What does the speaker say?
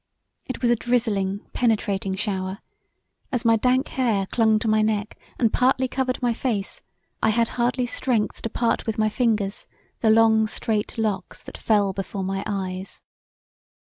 It was a drizzling, penetrating shower; as my dank hair clung to my neck and partly covered my face, I had hardly strength to part with my fingers, the long strait locks that fell before my eyes.